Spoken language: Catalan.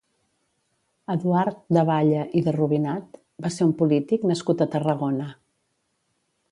Eduard de Balle i de Rubinat va ser un polític nascut a Tarragona.